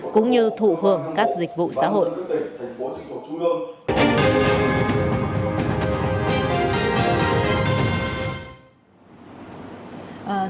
cũng như thụ hưởng các dịch vụ xã hội